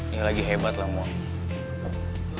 ya lagi hebat lah mon